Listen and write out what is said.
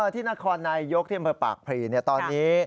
ที่นครายยศเทียมปากพรีตอนนี้